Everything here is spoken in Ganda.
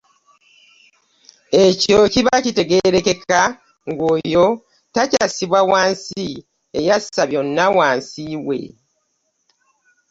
Ekyo kiba kitegeerekeka ng'oyo teyassibwa wansi eyassa byonna wansi we.